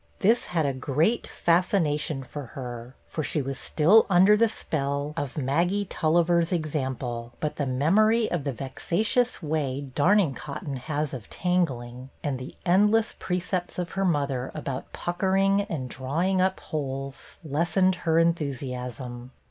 'f his had a great fascination for her, for she Was still under the spell of Maggie Tulliver's i8 BETTY BAIRD example ; but the memory of the vexatious way darning cotton has of tangling, and the endless precepts of her mother about puck ering and drawing up holes, lessened her enthusiasm.